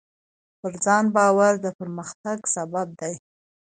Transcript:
پر ځان باور د پرمختګ سبب دی.